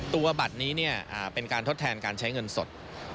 ตัวบัตรนี้เป็นการทดแทนการใช้เงินสด